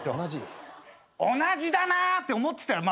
同じだなって思ってたよ